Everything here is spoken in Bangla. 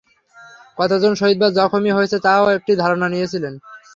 কতজন শহীদ বা জখমী হয়েছে তারও একটি ধারণা নিয়েছিলেন।